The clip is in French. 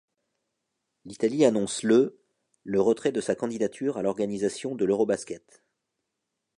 L'Italie annonce le le retrait de sa candidature à l'organisation de l'Eurobasket.